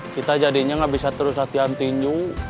kita jadinya nggak bisa terus latihan tinju